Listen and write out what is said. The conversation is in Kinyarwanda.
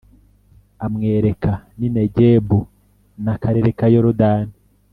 amwereka n’i Negebu n’akarere ka Yorodani